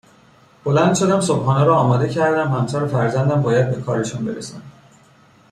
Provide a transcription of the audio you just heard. بلند شدم صبحانه را آماده کردم همسر و فرزندم باید به کارشان برسند